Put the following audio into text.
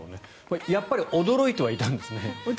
やっぱり驚いてはいたんですね。